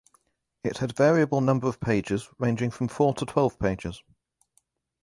It had variable number of pages ranging from four to twelve pages.